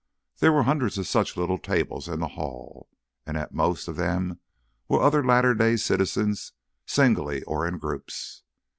There were hundreds of such little tables in the hall, and at most of them were other latter day citizens singly or in groups.